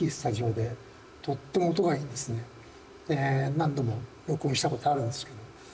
何度も録音したことあるんですけど。